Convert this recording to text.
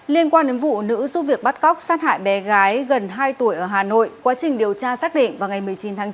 liên quan đến vụ nữ giúp việc bắt cóc sát hại bé gái gần hai tuổi ở hà nội quá trình điều tra xác định vào ngày một mươi chín tháng chín